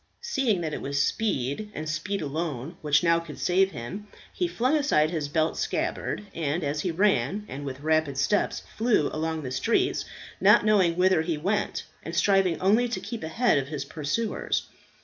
Seeing that it was speed, and speed alone, which now could save him, he flung aside his belt scabbard and as he ran, and with rapid steps flew along the streets, not knowing whither he went, and striving only to keep ahead of his pursuers.